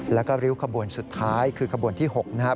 แล้วก็ริ้วขบวนสุดท้ายคือขบวนที่๖นะครับ